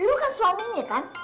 lu kan suaminya kan